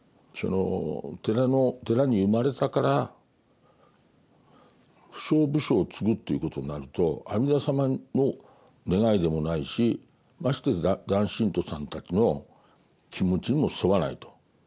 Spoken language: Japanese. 寺に生まれたから不承不承継ぐっていうことになると阿弥陀様の願いでもないしましてや檀信徒さんたちの気持ちにも沿わないと。